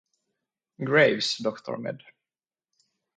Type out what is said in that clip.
Graves Dr med.